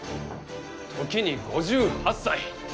時に５８歳。